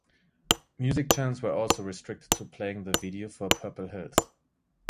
Music channels were also restricted to playing the video for "Purple Hills".